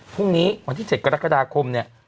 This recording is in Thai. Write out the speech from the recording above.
พรุ่งนี้วันที่๗กตะกดาคม